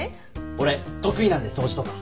俺得意なんで掃除とか。